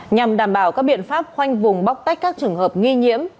nhằm đảm bảo các biện pháp khoanh vùng bóc tách các trường hợp nghi nhiễm